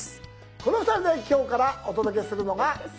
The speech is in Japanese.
この２人で今日からお届けするのがスマホ講座。